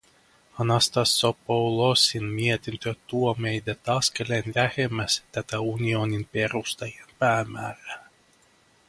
Anastassopoulosin mietintö tuo meidät askeleen lähemmäs tätä unionin perustajien päämäärää.